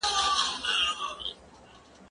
زه پرون کتابتوننۍ سره وخت تېره کړی!.